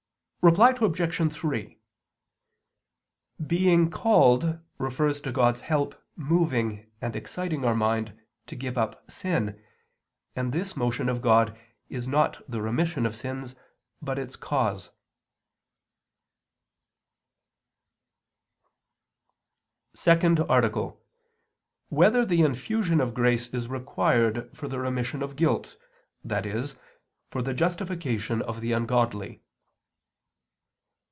Reply Obj. 3: Being called refers to God's help moving and exciting our mind to give up sin, and this motion of God is not the remission of sins, but its cause. ________________________ SECOND ARTICLE [I II, Q. 113, Art. 2] Whether the Infusion of Grace Is Required for the Remission of Guilt, i.e., for the Justification of the Ungodly?